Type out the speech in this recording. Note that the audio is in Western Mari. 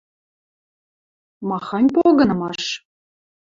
Махань погынымаш?